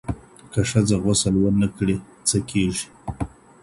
که ښځه غسل ونکړي څه کيږي؟